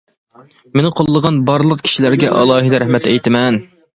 مېنى قوللىغان بارلىق كىشىلەرگە ئالاھىدە رەھمەت ئېيتىمەن.